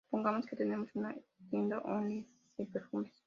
Supongamos que tenemos una tienda online de perfumes.